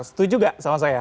setuju gak sama saya